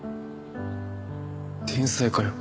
天才かよ。